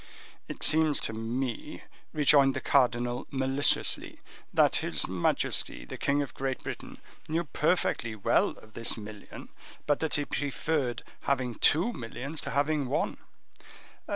"It seems to me," rejoined the cardinal, maliciously, "that his majesty the king of Great Britain knew perfectly well of this million, but that he preferred having two millions to having one."